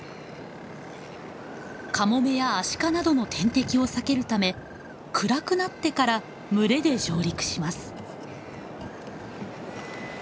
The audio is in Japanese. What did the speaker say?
カモメやアシカなどの天敵を避けるため暗くなってから群れで上陸します。